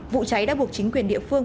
vụ cháy đã buộc chính quyền địa phương